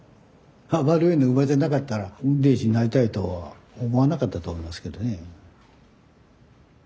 余部に生まれてなかったら運転士になりたいとは思わなかったと思いますけどね。